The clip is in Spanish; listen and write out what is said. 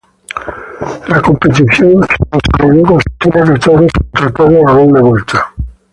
La competición de desarrolló con sistema de todos contra todos a doble vuelta.